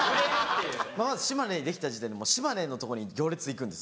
島根にできた時点で島根のとこに行列で行くんです